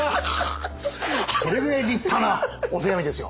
それぐらい立派なお手紙ですよ。